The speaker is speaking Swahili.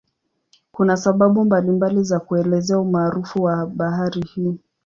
Kuna sababu mbalimbali za kuelezea umaarufu wa bahari hii.